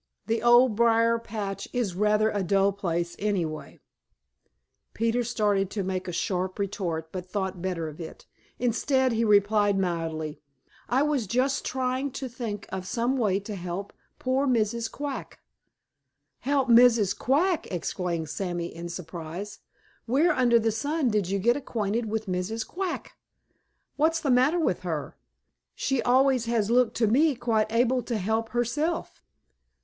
The Old Briar patch is rather a dull place anyway." Peter started to make a sharp retort, but thought better of it. Instead he replied mildly: "I was just trying to think of some way to help poor Mrs. Quack." "Help Mrs. Quack!" exclaimed Sammy in surprise. "Where under the sun did you get acquainted with Mrs. Quack? What's the matter with her? She always has looked to me quite able to help herself."